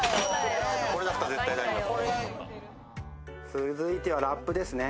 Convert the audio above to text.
続いてはラップですね。